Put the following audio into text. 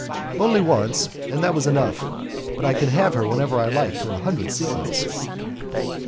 "Only once and that was enough, but I can have her whenever I like for a hundred sequins."